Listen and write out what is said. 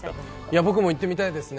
僕も行ってみたいですね。